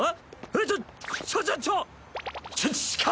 えっちょっちょちょちょっ！